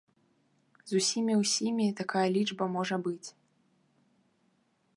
З усімі-ўсімі такая лічба можа быць.